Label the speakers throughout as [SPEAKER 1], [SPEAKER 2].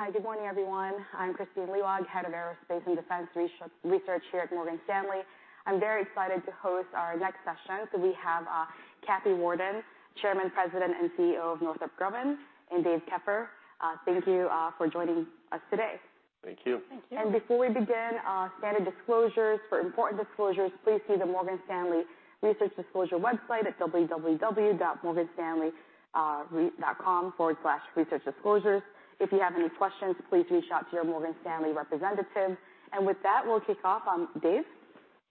[SPEAKER 1] Hi, good morning, everyone. I'm Kristine Liwag, Head of Aerospace and Defense Research here at Morgan Stanley. I'm very excited to host our next session. So we have Kathy Warden, Chairman, President, and CEO of Northrop Grumman, and Dave Keffer. Thank you for joining us today.
[SPEAKER 2] Thank you.
[SPEAKER 3] Thank you.
[SPEAKER 1] Before we begin, standard disclosures. For important disclosures, please see the Morgan Stanley Research Disclosure website at www.morganstanley.com/researchdisclosures. If you have any questions, please reach out to your Morgan Stanley representative. And with that, we'll kick off. Dave?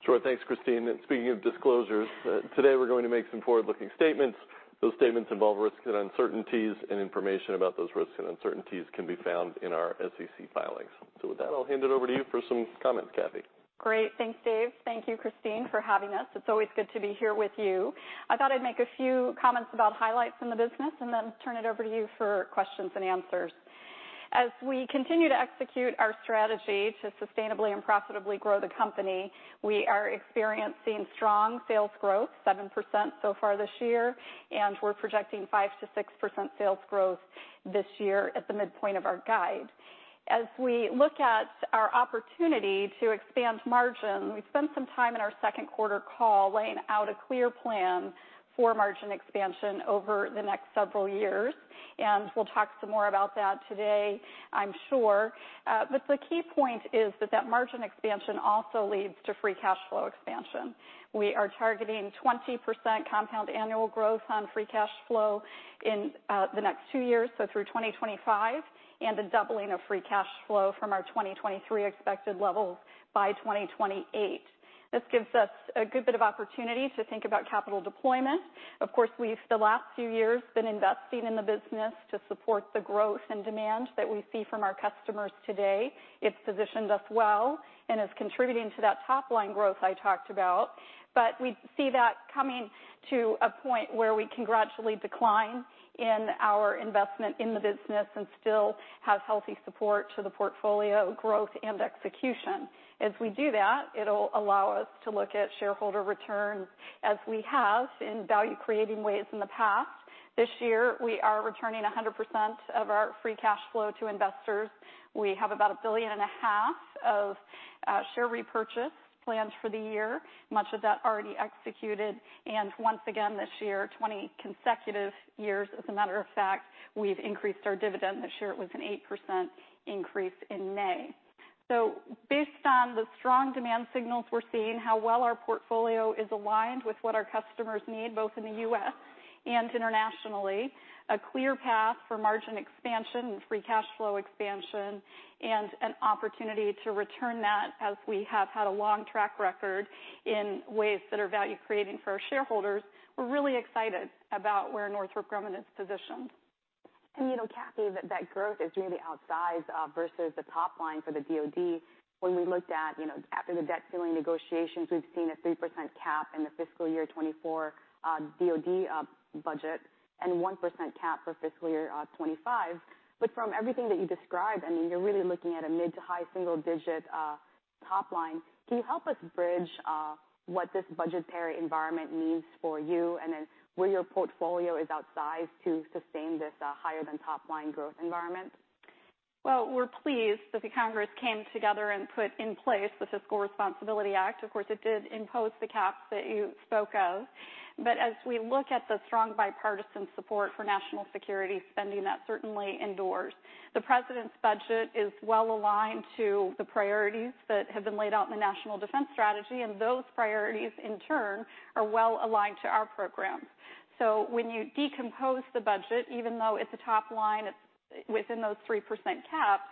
[SPEAKER 2] Sure. Thanks, Kristine. Speaking of disclosures, today we're going to make some forward-looking statements. Those statements involve risks and uncertainties, and information about those risks and uncertainties can be found in our SEC filings. With that, I'll hand it over to you for some comments, Kathy.
[SPEAKER 3] Great. Thanks, Dave. Thank you, Kristine, for having us. It's always good to be here with you. I thought I'd make a few comments about highlights in the business and then turn it over to you for questions and answers. As we continue to execute our strategy to sustainably and profitably grow the company, we are experiencing strong sales growth, 7% so far this year, and we're projecting 5%-6% sales growth this year at the midpoint of our guide. As we look at our opportunity to expand margin, we spent some time in our second quarter call laying out a clear plan for margin expansion over the next several years, and we'll talk some more about that today, I'm sure. But the key point is that that margin expansion also leads to free cash flow expansion. We are targeting 20% compound annual growth on free cash flow in the next two years, so through 2025, and the doubling of free cash flow from our 2023 expected levels by 2028. This gives us a good bit of opportunity to think about capital deployment. Of course, we've, the last few years, been investing in the business to support the growth and demand that we see from our customers today. It's positioned us well and is contributing to that top line growth I talked about, but we see that coming to a point where we can gradually decline in our investment in the business and still have healthy support to the portfolio growth and execution. As we do that, it'll allow us to look at shareholder returns as we have in value-creating ways in the past. This year, we are returning 100% of our free cash flow to investors. We have about $1.5 billion of share repurchase plans for the year, much of that already executed. And once again, this year, 20 consecutive years, as a matter of fact, we've increased our dividend. This year, it was an 8% increase in May. So based on the strong demand signals we're seeing, how well our portfolio is aligned with what our customers need, both in the U.S. and internationally, a clear path for margin expansion and free cash flow expansion, and an opportunity to return that as we have had a long track record in ways that are value-creating for our shareholders, we're really excited about where Northrop Grumman is positioned.
[SPEAKER 1] You know, Kathy, that, that growth is really outsized versus the top line for the DoD. When we looked at, you know, after the debt ceiling negotiations, we've seen a 3% cap in the fiscal year 2024 DoD budget and 1% cap for fiscal year 2025. But from everything that you described, I mean, you're really looking at a mid- to high-single-digit top line. Can you help us bridge what this budgetary environment means for you, and then where your portfolio is outsized to sustain this higher-than-top-line growth environment?
[SPEAKER 3] Well, we're pleased that the Congress came together and put in place the Fiscal Responsibility Act. Of course, it did impose the caps that you spoke of. But as we look at the strong bipartisan support for national security spending, that certainly endures. The president's budget is well aligned to the priorities that have been laid out in the National Defense Strategy, and those priorities, in turn, are well aligned to our programs. So when you decompose the budget, even though it's a top line, it's within those 3% caps,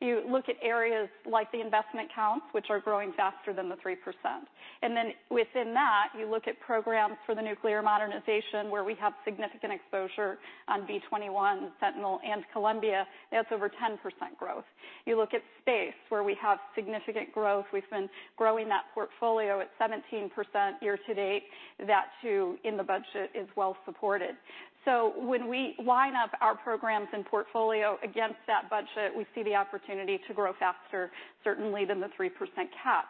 [SPEAKER 3] you look at areas like the investment counts, which are growing faster than the 3%. And then within that, you look at programs for the nuclear modernization, where we have significant exposure on B-21, Sentinel and Columbia. That's over 10% growth. You look at space, where we have significant growth. We've been growing that portfolio at 17% year to date. That, too, in the budget, is well supported. So when we line up our programs and portfolio against that budget, we see the opportunity to grow faster, certainly than the 3% cap.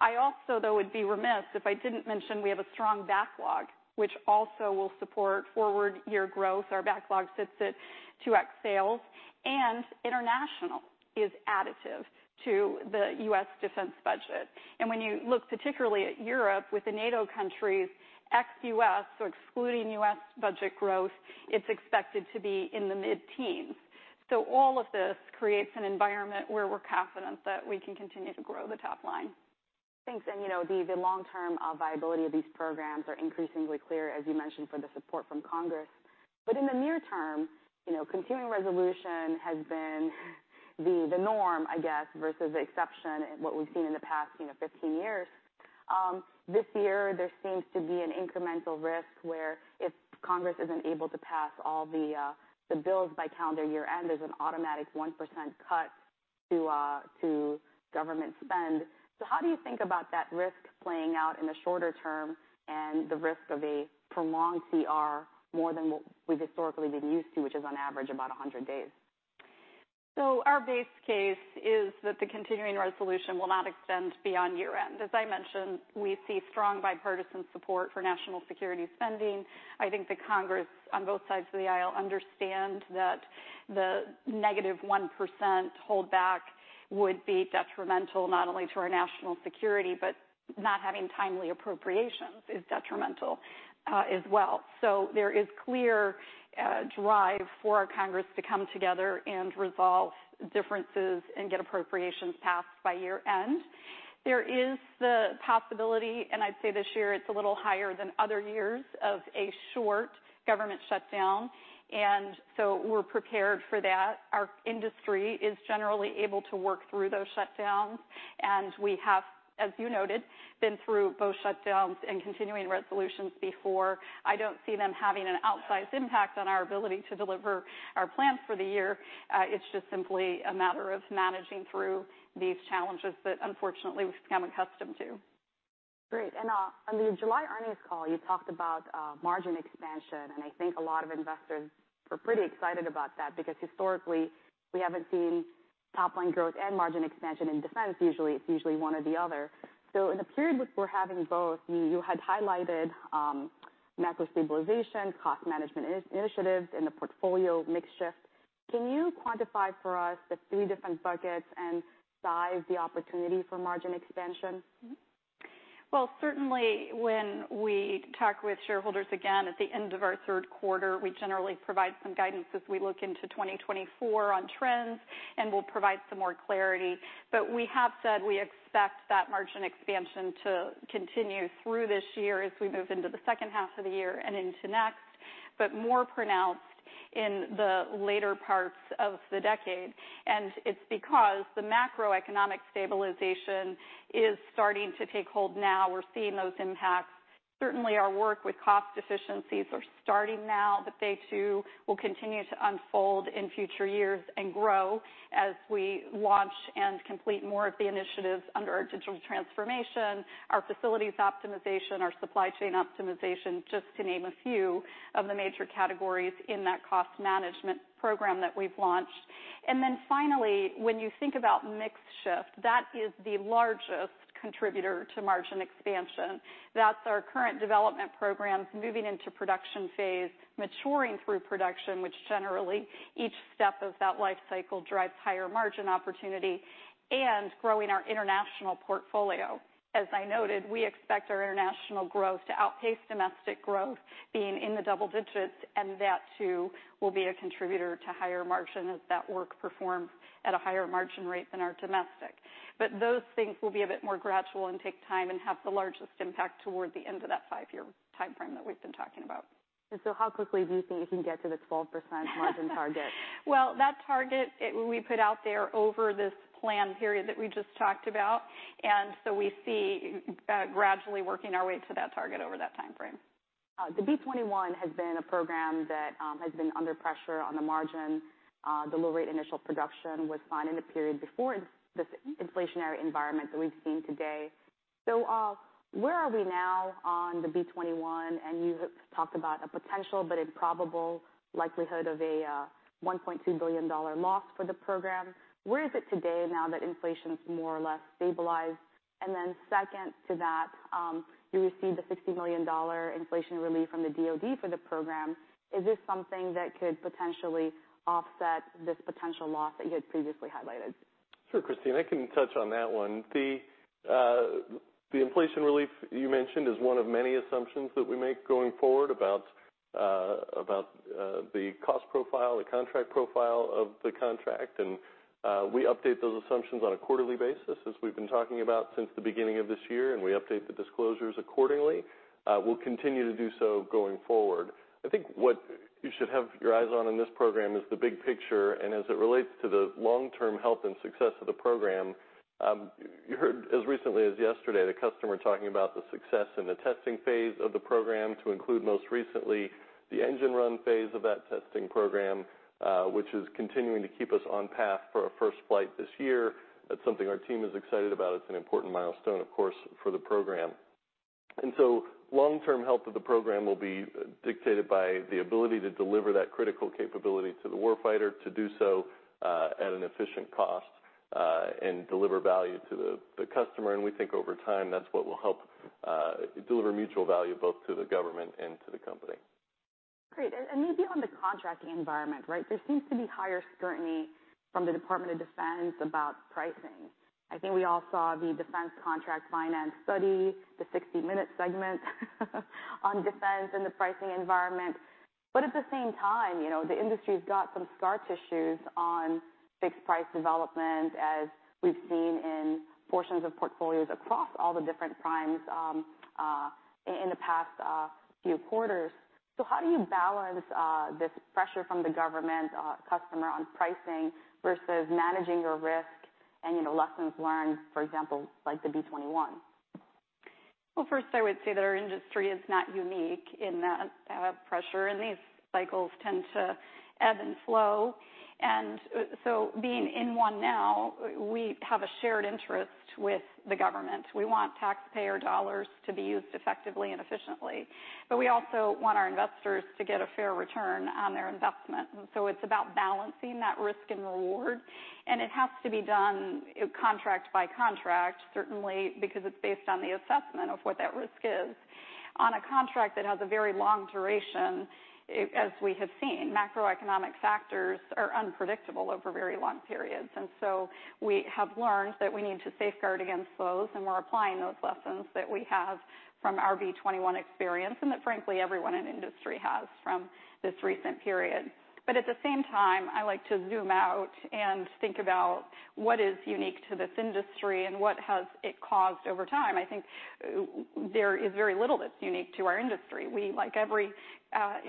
[SPEAKER 3] I also, though, would be remiss if I didn't mention we have a strong backlog, which also will support forward year growth. Our backlog sits at 2x sales, and international is additive to the U.S. defense budget. And when you look particularly at Europe, with the NATO countries, ex-U.S., so excluding U.S. budget growth, it's expected to be in the mid-teens%. So all of this creates an environment where we're confident that we can continue to grow the top line.
[SPEAKER 1] Thanks. And, you know, the long-term viability of these programs are increasingly clear, as you mentioned, for the support from Congress. But in the near term, you know, continuing resolution has been the norm, I guess, versus the exception in what we've seen in the past 15 years. This year, there seems to be an incremental risk where if Congress isn't able to pass all the bills by calendar year end, there's an automatic 1% cut to government spend. So how do you think about that risk playing out in the shorter term and the risk of a prolonged CR more than what we've historically been used to, which is on average, about 100 days?
[SPEAKER 3] So our base case is that the continuing resolution will not extend beyond year-end. As I mentioned, we see strong bipartisan support for national security spending. I think the Congress, on both sides of the aisle, understand that the negative 1% holdback would be detrimental, not only to our national security, but not having timely appropriations is detrimental, as well. So there is clear drive for our Congress to come together and resolve differences and get appropriations passed by year end. There is the possibility, and I'd say this year it's a little higher than other years, of a short government shutdown, and so we're prepared for that. Our industry is generally able to work through those shutdowns, and we have, as you noted, been through both shutdowns and continuing resolutions before. I don't see them having an outsized impact on our ability to deliver our plans for the year. It's just simply a matter of managing through these challenges that, unfortunately, we've become accustomed to.
[SPEAKER 1] Great. And on the July earnings call, you talked about margin expansion, and I think a lot of investors were pretty excited about that because historically, we haven't seen top-line growth and margin expansion in defense. Usually, it's one or the other. So in the period which we're having both, you had highlighted macro stabilization, cost management initiatives, and the portfolio mix shift. Can you quantify for us the three different buckets and size the opportunity for margin expansion?
[SPEAKER 3] Well, certainly, when we talk with shareholders again at the end of our third quarter, we generally provide some guidance as we look into 2024 on trends, and we'll provide some more clarity. But we have said we expect that margin expansion to continue through this year as we move into the second half of the year and into next, but more pronounced in the later parts of the decade. And it's because the macroeconomic stabilization is starting to take hold now. We're seeing those impacts. Certainly, our work with cost efficiencies are starting now, but they, too, will continue to unfold in future years and grow as we launch and complete more of the initiatives under our digital transformation, our facilities optimization, our supply chain optimization, just to name a few of the major categories in that cost management program that we've launched. And then finally, when you think about mix shift, that is the largest contributor to margin expansion. That's our current development programs moving into production phase, maturing through production, which generally each step of that life cycle drives higher margin opportunity, and growing our international portfolio. As I noted, we expect our international growth to outpace domestic growth being in the double digits, and that, too, will be a contributor to higher margin as that work performs at a higher margin rate than our domestic. But those things will be a bit more gradual and take time and have the largest impact toward the end of that five-year timeframe that we've been talking about.
[SPEAKER 1] How quickly do you think you can get to the 12% margin target?
[SPEAKER 3] Well, that target, we put out there over this plan period that we just talked about, and so we see gradually working our way to that target over that time frame.
[SPEAKER 1] The B-21 has been a program that has been under pressure on the margin. The low rate initial production was signed in a period before this inflationary environment that we've seen today. So, where are we now on the B-21? And you have talked about a potential, but improbable likelihood of a $1.2 billion loss for the program. Where is it today now that inflation's more or less stabilized? And then second to that, you received a $60 million inflation relief from the DoD for the program. Is this something that could potentially offset this potential loss that you had previously highlighted?
[SPEAKER 2] Sure, Kristine, I can touch on that one. The inflation relief you mentioned is one of many assumptions that we make going forward about the cost profile, the contract profile of the contract, and we update those assumptions on a quarterly basis, as we've been talking about since the beginning of this year, and we update the disclosures accordingly. We'll continue to do so going forward. I think what you should have your eyes on in this program is the big picture, and as it relates to the long-term health and success of the program, you heard as recently as yesterday, the customer talking about the success in the testing phase of the program, to include, most recently, the engine run phase of that testing program, which is continuing to keep us on path for a first flight this year. That's something our team is excited about. It's an important milestone, of course, for the program. And so long-term health of the program will be dictated by the ability to deliver that critical capability to the war fighter, to do so at an efficient cost, and deliver value to the, the customer. We think over time, that's what will help deliver mutual value both to the government and to the company.
[SPEAKER 1] Great. And maybe on the contracting environment, right? There seems to be higher scrutiny from the Department of Defense about pricing. I think we all saw the Defense Contract Finance Study, the 60 minute segment on defense and the pricing environment. But at the same time, you know, the industry's got some scar tissues on fixed-price development, as we've seen in portions of portfolios across all the different primes in the past few quarters. So how do you balance this pressure from the government customer on pricing versus managing your risk and, you know, lessons learned, for example, like the B-21?
[SPEAKER 3] Well, first, I would say that our industry is not unique in that, pressure, and these cycles tend to ebb and flow. So being in one now, we have a shared interest with the government. We want taxpayer dollars to be used effectively and efficiently, but we also want our investors to get a fair return on their investment. So it's about balancing that risk and reward, and it has to be done contract by contract, certainly, because it's based on the assessment of what that risk is. On a contract that has a very long duration, as we have seen, macroeconomic factors are unpredictable over very long periods, and so we have learned that we need to safeguard against those, and we're applying those lessons that we have from our B-21 experience, and that, frankly, everyone in industry has from this recent period. But at the same time, I like to zoom out and think about what is unique to this industry and what has it caused over time. I think there is very little that's unique to our industry. We, like every,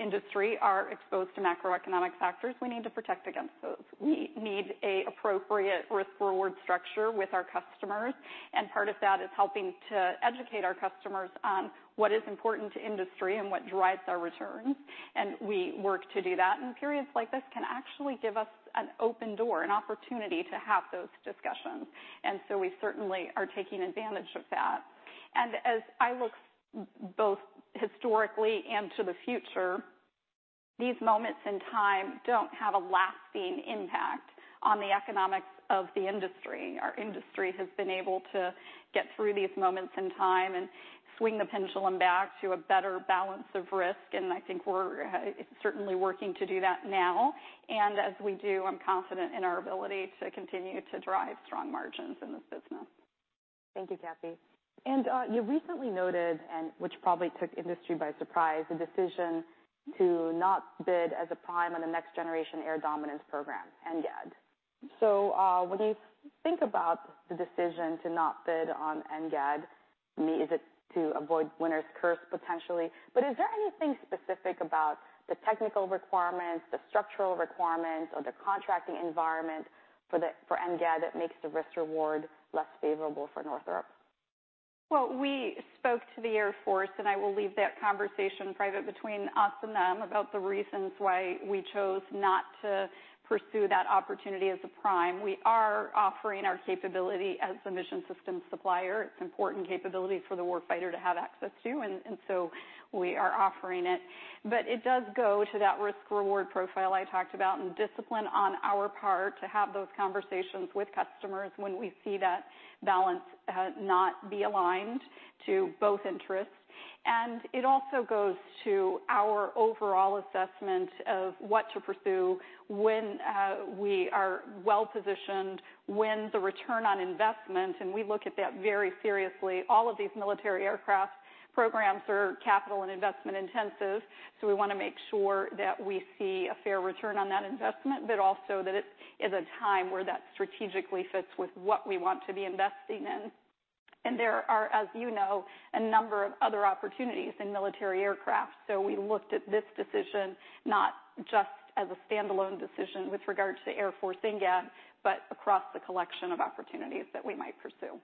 [SPEAKER 3] industry, are exposed to macroeconomic factors. We need to protect against those. We need an appropriate risk-reward structure with our customers, and part of that is helping to educate our customers on what is important to industry and what drives our returns. And we work to do that, and periods like this can actually give us an open door, an opportunity to have those discussions, and so we certainly are taking advantage of that. And as I look both historically and to the future, these moments in time don't have a lasting impact on the economics of the industry. Our industry has been able to get through these moments in time and swing the pendulum back to a better balance of risk, and I think we're certainly working to do that now. And as we do, I'm confident in our ability to continue to drive strong margins in this business.
[SPEAKER 1] Thank you, Kathy. And you recently noted, and which probably took industry by surprise, the decision to not bid as a prime on the Next Generation Air Dominance program, NGAD. So, when you think about the decision to not bid on NGAD, is it to avoid winner's curse, potentially? But is there anything specific about the technical requirements, the structural requirements, or the contracting environment for NGAD that makes the risk-reward less favorable for Northrop?
[SPEAKER 3] Well, we spoke to the Air Force, and I will leave that conversation private between us and them, about the reasons why we chose not to pursue that opportunity as a prime. We are offering our capability as a mission system supplier. It's an important capability for the war fighter to have access to, and, and so we are offering it. But it does go to that risk-reward profile I talked about and discipline on our part to have those conversations with customers when we see that balance not be aligned to both interests. And it also goes to our overall assessment of what to pursue when we are well-positioned, when the return on investment, and we look at that very seriously. All of these military aircraft programs are capital and investment intensive, so we want to make sure that we see a fair return on that investment, but also that it is a time where that strategically fits with what we want to be investing in. There are, as you know, a number of other opportunities in military aircraft. We looked at this decision not just as a standalone decision with regards to Air Force NGAD, but across the collection of opportunities that we might pursue.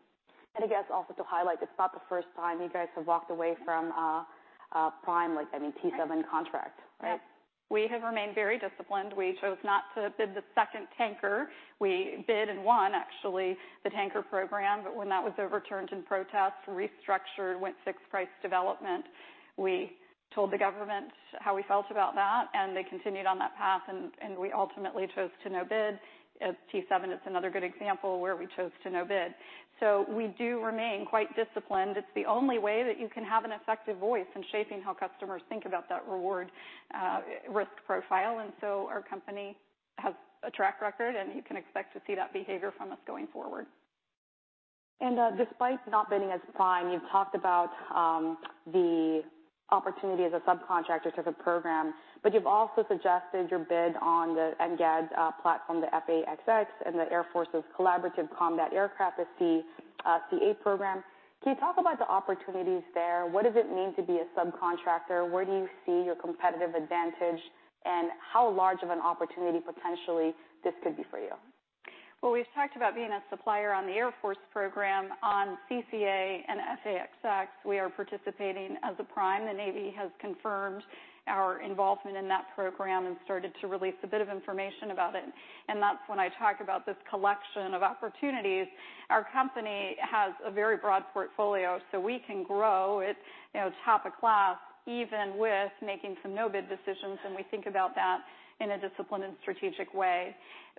[SPEAKER 1] I guess also to highlight, it's not the first time you guys have walked away from a prime, like, I mean, T-7 contract, right?
[SPEAKER 3] We have remained very disciplined. We chose not to bid the second tanker. We bid and won, actually, the tanker program, but when that was overturned in protest, restructured, went fixed price development, we told the government how we felt about that, and they continued on that path, and we ultimately chose to no bid. T-7 is another good example where we chose to no bid. So we do remain quite disciplined. It's the only way that you can have an effective voice in shaping how customers think about that reward, risk profile. And so our company has a track record, and you can expect to see that behavior from us going forward.
[SPEAKER 1] Despite not bidding as prime, you've talked about the opportunity as a subcontractor to the program, but you've also suggested your bid on the NGAD platform, the F/A-XX, and the Air Force's Collaborative Combat Aircraft, the CCA program. Can you talk about the opportunities there? What does it mean to be a subcontractor? Where do you see your competitive advantage, and how large of an opportunity, potentially, this could be for you?
[SPEAKER 3] Well, we've talked about being a supplier on the Air Force program. On CCA and F/A-XX, we are participating as a prime. The Navy has confirmed our involvement in that program and started to release a bit of information about it, and that's when I talk about this collection of opportunities. Our company has a very broad portfolio, so we can grow it, you know, top of class, even with making some no-bid decisions, and we think about that in a disciplined and strategic way.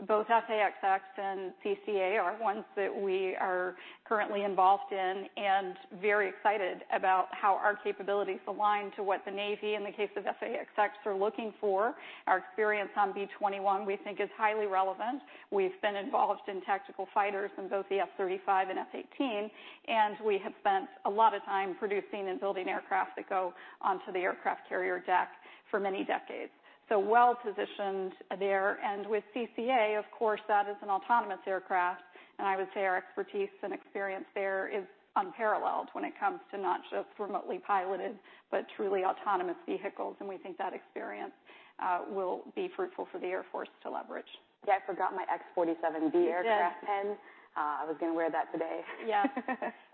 [SPEAKER 3] Both F/A-XX and CCA are ones that we are currently involved in and very excited about how our capabilities align to what the Navy, in the case of F/A-XX, are looking for. Our experience on B-21, we think, is highly relevant. We've been involved in tactical fighters in both the F-35 and F-18, and we have spent a lot of time producing and building aircraft that go onto the aircraft carrier deck for many decades. So well-positioned there. And with CCA, of course, that is an autonomous aircraft, and I would say our expertise and experience there is unparalleled when it comes to not just remotely piloted, but truly autonomous vehicles, and we think that experience, will be fruitful for the Air Force to leverage.
[SPEAKER 1] Yeah, I forgot my X-47B aircraft pin.
[SPEAKER 3] You did.
[SPEAKER 1] Ah, I was going to wear that today.
[SPEAKER 3] Yeah.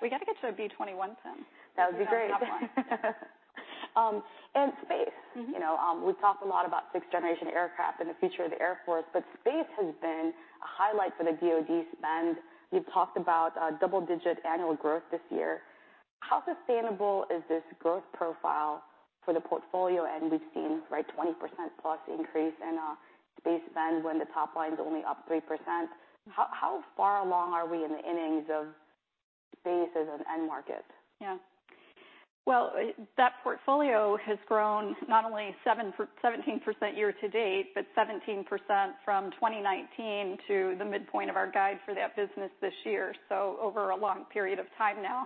[SPEAKER 3] We got to get you a B-21 pin.
[SPEAKER 1] That would be great. And space. You know, we've talked a lot about sixth-generation aircraft and the future of the Air Force, but space has been a highlight for the DoD spend. We've talked about double-digit annual growth this year. How sustainable is this growth profile for the portfolio? And we've seen, right, 20%+ increase in space spend when the top line is only up 3%. How far along are we in the innings of space as an end market?
[SPEAKER 3] Yeah. Well, that portfolio has grown not only 17% year to date, but 17% from 2019 to the midpoint of our guide for that business this year, so over a long period of time now.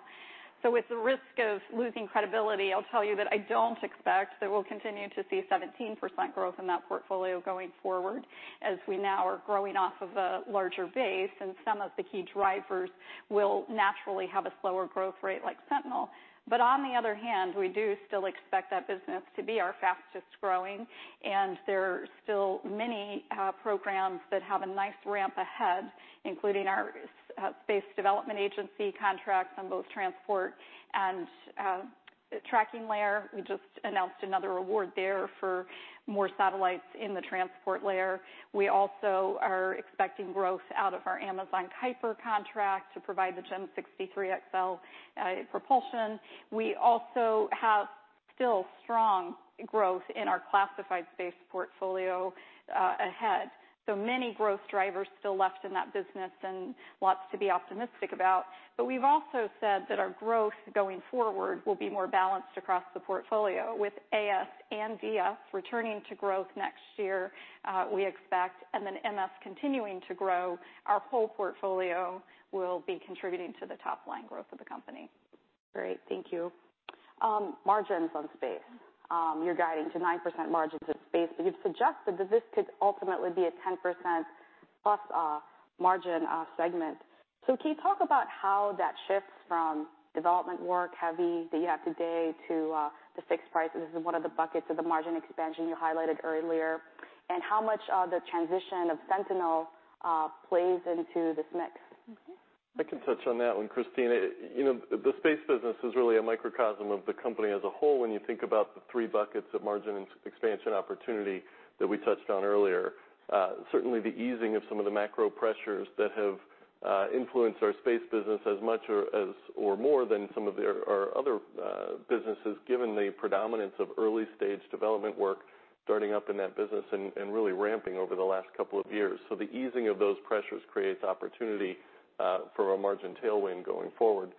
[SPEAKER 3] So with the risk of losing credibility, I'll tell you that I don't expect that we'll continue to see 17% growth in that portfolio going forward, as we now are growing off of a larger base, and some of the key drivers will naturally have a slower growth rate like Sentinel. But on the other hand, we do still expect that business to be our fastest growing, and there are still many programs that have a nice ramp ahead, including our Space Development Agency contracts on both transport and tracking layer. We just announced another award there for more satellites in the transport layer. We also are expecting growth out of our Amazon Kuiper contract to provide the GEM 63XL propulsion. We also have still strong growth in our classified space portfolio ahead. So many growth drivers still left in that business and lots to be optimistic about. But we've also said that our growth going forward will be more balanced across the portfolio, with AS and DIA returning to growth next year, we expect, and then MS continuing to grow. Our whole portfolio will be contributing to the top line growth of the company.
[SPEAKER 1] Great, thank you. Margins on space. You're guiding to 9% margins of space, but you've suggested that this could ultimately be a 10%+ margin segment. So can you talk about how that shifts from development work heavy that you have today to the fixed prices and what are the buckets of the margin expansion you highlighted earlier, and how much of the transition of Sentinel plays into this mix?
[SPEAKER 3] Mm-hmm.
[SPEAKER 2] I can touch on that one, Christine. You know, the space business is really a microcosm of the company as a whole when you think about the three buckets of margin expansion opportunity that we touched on earlier. Certainly, the easing of some of the macro pressures that have influenced our space business as much or as, or more than some of their, our other businesses, given the predominance of early-stage development work starting up in that business and really ramping over the last couple of years. So the easing of those pressures creates opportunity for a margin tailwind going forward.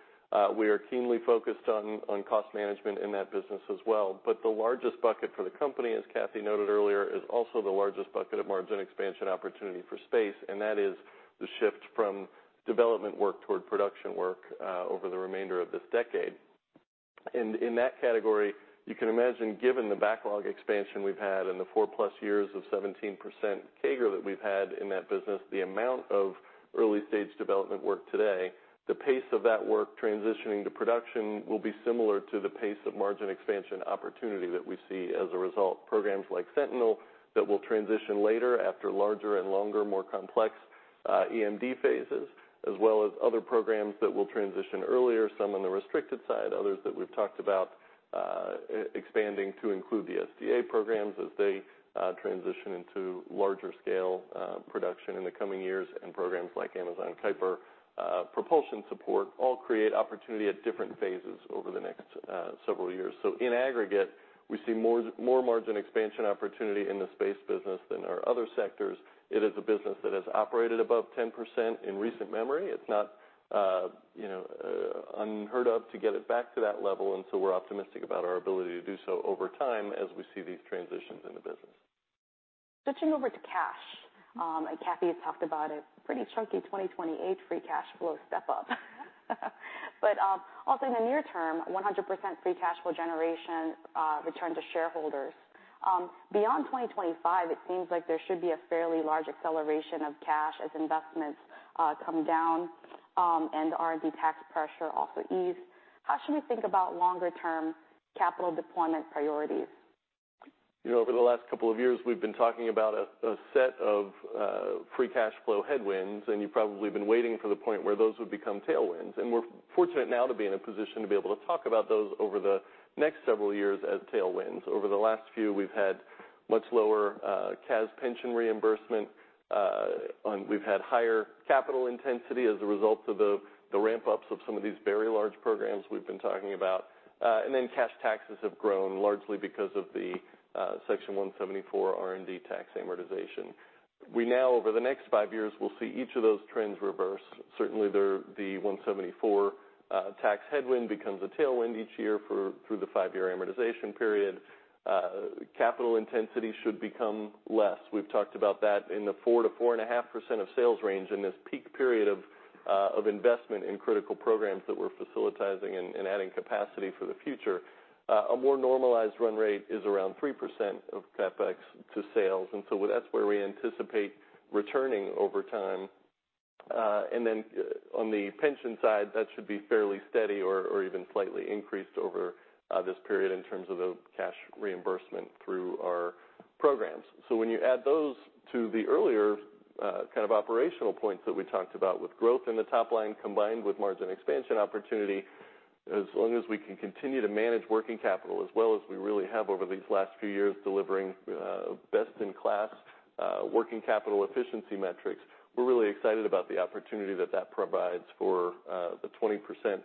[SPEAKER 2] We are keenly focused on cost management in that business as well. But the largest bucket for the company, as Kathy noted earlier, is also the largest bucket of margin expansion opportunity for space, and that is the shift from development work toward production work over the remainder of this decade. And in that category, you can imagine, given the backlog expansion we've had and the four plus years of 17% CAGR that we've had in that business, the amount of early-stage development work today, the pace of that work transitioning to production will be similar to the pace of margin expansion opportunity that we see as a result. Programs like Sentinel that will transition later after larger and longer, more complex, EMD phases, as well as other programs that will transition earlier, some on the restricted side, others that we've talked about, expanding to include the SDA programs as they transition into larger scale production in the coming years, and programs like Amazon Kuiper propulsion support, all create opportunity at different phases over the next several years. So in aggregate, we see more, more margin expansion opportunity in the space business than our other sectors. It is a business that has operated above 10% in recent memory. It's not, you know, unheard of to get it back to that level, and so we're optimistic about our ability to do so over time as we see these transitions in the business.
[SPEAKER 1] Switching over to cash, and Kathy has talked about a pretty chunky 2028 free cash flow step up. But, also in the near term, 100% free cash flow generation, return to shareholders. Beyond 2025, it seems like there should be a fairly large acceleration of cash as investments, come down, and R&D tax pressure also ease. How should we think about longer term capital deployment priorities?
[SPEAKER 2] You know, over the last couple of years, we've been talking about a set of free cash flow headwinds, and you've probably been waiting for the point where those would become tailwinds. And we're fortunate now to be in a position to be able to talk about those over the next several years as tailwinds. Over the last few, we've had much lower CAS pension reimbursement, and we've had higher capital intensity as a result of the ramp-ups of some of these very large programs we've been talking about. And then cash taxes have grown largely because of the Section 174 R&D tax amortization. We now, over the next five years, will see each of those trends reverse. Certainly, the 174 tax headwind becomes a tailwind each year through the five year amortization period. Capital intensity should become less. We've talked about that in the 4%-4.5% of sales range in this peak period of investment in critical programs that we're facilitating and adding capacity for the future. A more normalized run rate is around 3% of CapEx to sales, and so that's where we anticipate returning over time. And then on the pension side, that should be fairly steady or even slightly increased over this period in terms of the cash reimbursement through our programs. So when you add those to the earlier kind of operational points that we talked about with growth in the top line, combined with margin expansion opportunity,... As long as we can continue to manage working capital as well as we really have over these last few years, delivering best-in-class working capital efficiency metrics, we're really excited about the opportunity that that provides for the 20%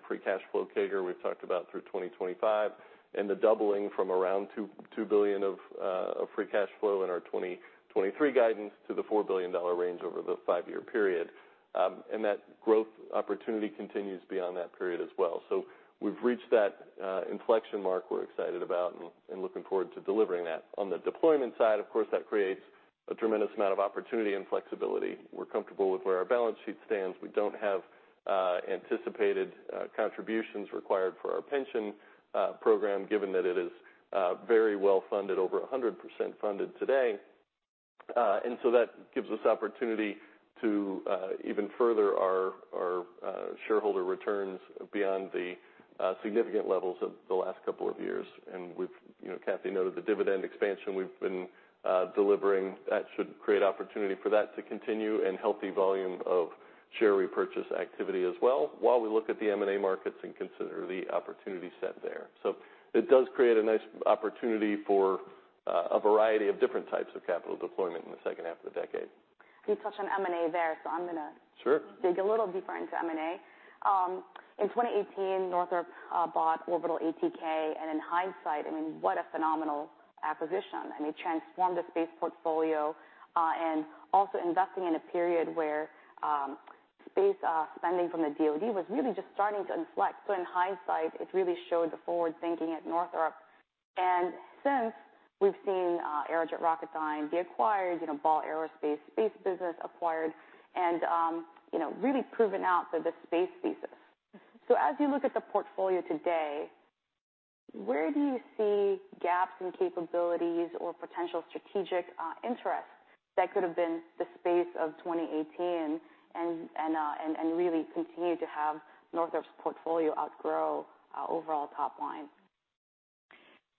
[SPEAKER 2] free cash flow CAGR we've talked about through 2025, and the doubling from around $2.2 billion of free cash flow in our 2023 guidance to the $4 billion range over the five-year period. And that growth opportunity continues beyond that period as well. So we've reached that inflection mark we're excited about and looking forward to delivering that. On the deployment side, of course, that creates a tremendous amount of opportunity and flexibility. We're comfortable with where our balance sheet stands. We don't have anticipated contributions required for our pension program, given that it is very well funded, over 100% funded today. And so that gives us opportunity to even further our shareholder returns beyond the significant levels of the last couple of years. And we've, you know, Kathy noted the dividend expansion we've been delivering. That should create opportunity for that to continue, and healthy volume of share repurchase activity as well, while we look at the M&A markets and consider the opportunity set there. So it does create a nice opportunity for a variety of different types of capital deployment in the second half of the decade.
[SPEAKER 1] You touched on M&A there, so I'm gonna-
[SPEAKER 2] Sure.
[SPEAKER 1] Dig a little deeper into M&A. In 2018, Northrop bought Orbital ATK, and in hindsight, I mean, what a phenomenal acquisition. I mean, it transformed the space portfolio and also investing in a period where space spending from the DoD was really just starting to inflect. So in hindsight, it really showed the forward thinking at Northrop. And since, we've seen Aerojet Rocketdyne be acquired, you know, Ball Aerospace space business acquired and you know, really proven out the space thesis. So as you look at the portfolio today, where do you see gaps in capabilities or potential strategic interests that could have been the space of 2018 and really continue to have Northrop's portfolio outgrow overall top line?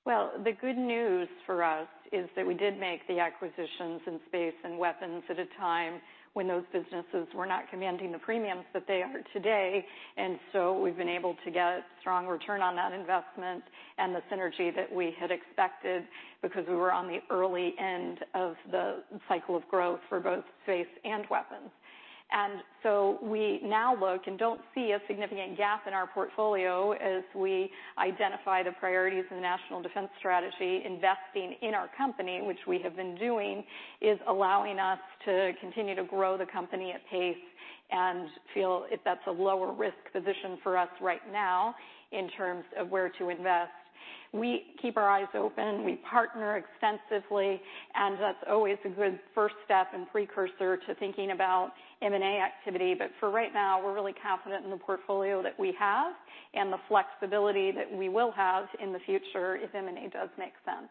[SPEAKER 3] Well, the good news for us is that we did make the acquisitions in space and weapons at a time when those businesses were not commanding the premiums that they are today. And so we've been able to get strong return on that investment and the synergy that we had expected because we were on the early end of the cycle of growth for both space and weapons. And so we now look and don't see a significant gap in our portfolio as we identify the priorities in the National Defense Strategy. Investing in our company, which we have been doing, is allowing us to continue to grow the company at pace and feel that that's a lower risk position for us right now in terms of where to invest. We keep our eyes open, we partner extensively, and that's always a good first step and precursor to thinking about M&A activity. But for right now, we're really confident in the portfolio that we have and the flexibility that we will have in the future if M&A does make sense.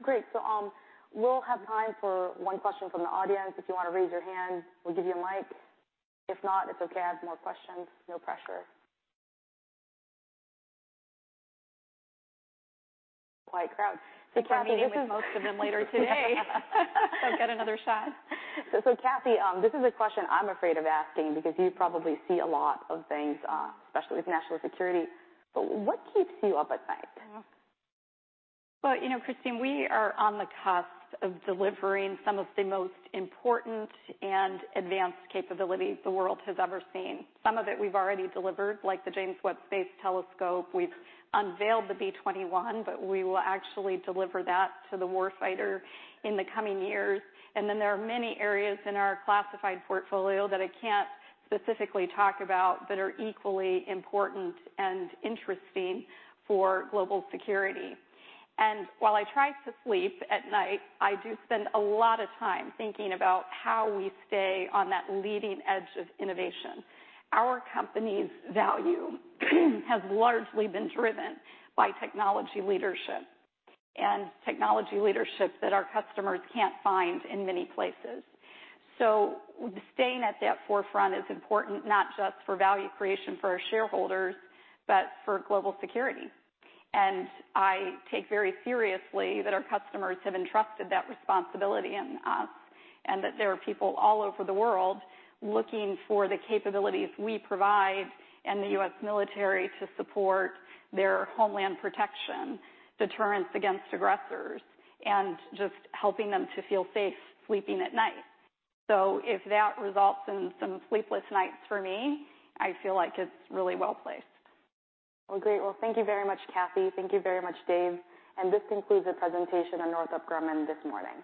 [SPEAKER 1] Great. So, we'll have time for one question from the audience. If you wanna raise your hand, we'll give you a mic. If not, it's okay. I have more questions. No pressure. Quiet crowd.
[SPEAKER 3] Kathy, this is-
[SPEAKER 1] Meeting with most of them later today.
[SPEAKER 3] So get another shot.
[SPEAKER 1] So, Kathy, this is a question I'm afraid of asking because you probably see a lot of things, especially with national security. But what keeps you up at night?
[SPEAKER 3] Well, you know, Kristine, we are on the cusp of delivering some of the most important and advanced capabilities the world has ever seen. Some of it we've already delivered, like the James Webb Space Telescope. We've unveiled the B-21, but we will actually deliver that to the war fighter in the coming years. And then there are many areas in our classified portfolio that I can't specifically talk about that are equally important and interesting for global security. And while I try to sleep at night, I do spend a lot of time thinking about how we stay on that leading edge of innovation. Our company's value has largely been driven by technology leadership and technology leadership that our customers can't find in many places. So staying at that forefront is important, not just for value creation for our shareholders, but for global security. I take very seriously that our customers have entrusted that responsibility in us, and that there are people all over the world looking for the capabilities we provide and the U.S. military to support their homeland protection, deterrence against aggressors, and just helping them to feel safe sleeping at night. So if that results in some sleepless nights for me, I feel like it's really well placed.
[SPEAKER 1] Well, great. Well, thank you very much, Kathy. Thank you very much, Dave. This concludes the presentation on Northrop Grumman this morning.